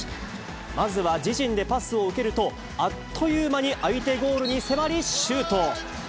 まずは自陣でパスを受けると、あっという間に相手ゴールに迫り、シュート。